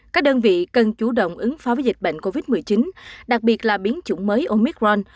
các đơn vị cần chủ động ứng phó với dịch bệnh covid một mươi chín đặc biệt là biến chủng mới omicron